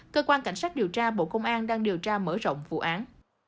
cơ quan cảnh sát điều tra bộ công an đang điều tra mở rộng vụ án